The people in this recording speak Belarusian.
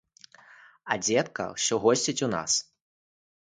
А дзедка ўсё госціць у нас!